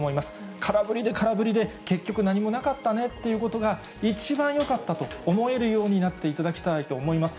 空振りで空振りで結局何もなかったねということが、一番よかったと思えるようになっていただきたいと思います。